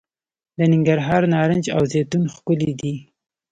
د ننګرهار نارنج او زیتون ښکلي دي.